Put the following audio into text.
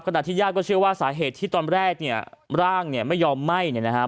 ญาติก็เชื่อว่าสาเหตุที่ตอนแรกเนี่ยร่างเนี่ยไม่ยอมไหม้เนี่ยนะฮะ